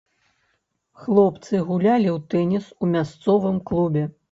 Хлопцы гулялі ў тэніс у мясцовым клубе.